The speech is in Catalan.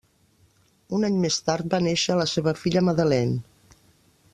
Un any més tard va néixer la seva filla, Madeleine.